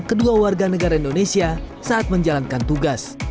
kedua warga negara indonesia saat menjalankan tugas